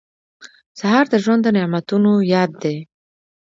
سهار د ژوند د نعمتونو یاد دی.